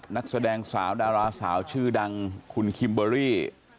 นักแสดงสาวดาราสาวชื่อดังคุณคิมเบอรี่